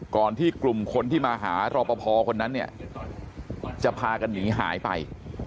ก่อนที่กลุ่มคนที่มาหารอปภคนนั้นเนี่ยจะพากันหนีหายไป